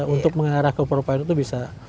untuk mengarah ke provider itu bisa